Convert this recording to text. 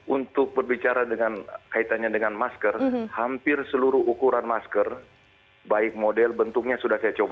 untuk berbicara dengan kaitannya dengan masker hampir seluruh ukuran masker baik model bentuknya sudah saya coba